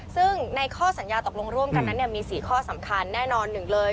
ซึ่งในข้อสัญญาตกลงร่วมกันนั้นมี๔ข้อสำคัญแน่นอนหนึ่งเลย